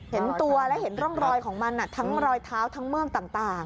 เห็นตัวและเห็นร่องรอยของมันทั้งรอยเท้าทั้งเมือกต่าง